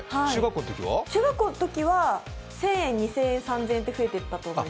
中学校のときは１０００円、２０００円、３０００円って増えていったと思う。